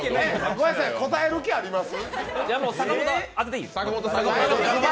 ごめんなさい答える気あります？